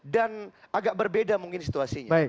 dan agak berbeda mungkin situasinya